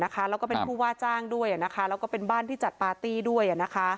แล้วก็เป็นผู้ว่าจ้างด้วยแล้วก็เป็นบ้านที่จัดปาร์ตี้ด้วย